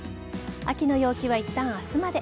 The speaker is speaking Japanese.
秋の陽気は、いったん明日まで。